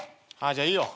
じゃあいいよ。